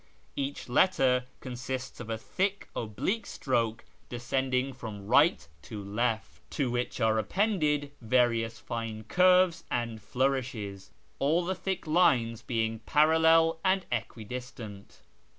Each letter consists of a thick oblique stroke descending from right to left, to which are appended various fine curves and flourishes, all the thick lines being parallel and equidistant.